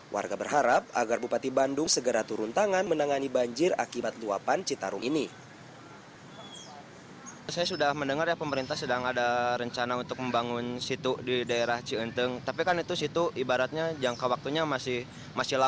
warga berharap agar bupati bandung segera turun tangan menangani banjir akibat luapan citarum ini